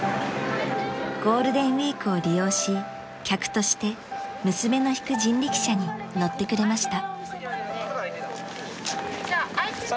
［ゴールデンウィークを利用し客として娘の引く人力車に乗ってくれました］